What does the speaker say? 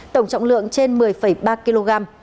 tổng trọng lượng trên một mươi ba kg